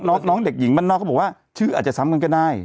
น้องเด็กหญิงบ้านนอกเขาบอกว่าชื่ออาจจะซ้ำกันก็ได้